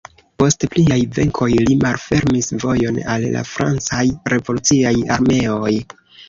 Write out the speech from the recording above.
Post pliaj venkoj li malfermis vojon al la francaj revoluciaj armeoj.